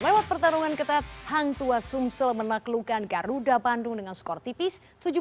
lewat pertarungan ketat hangtua sumsel menaklukkan garuda bandung dengan skor tipis tujuh puluh enam tujuh puluh empat